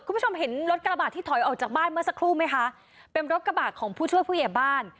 คุณผู้ชมเห็นรถกระบาดที่ถอยออกจากบ้านเมื่อสักครู่ไหมคะเป็นรถกระบะของผู้ช่วยผู้ใหญ่บ้าน